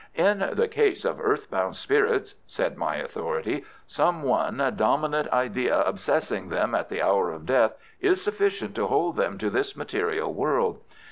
"In the case of earth bound spirits," said my authority, "some one dominant idea obsessing them at the hour of death is sufficient to hold them to this material world.